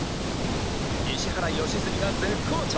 石原良純が絶好調！